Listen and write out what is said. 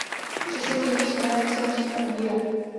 Přesně tímto směrem se musíme ubírat.